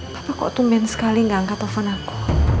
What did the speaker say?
papa kok tumben sekali gak angkat telepon aku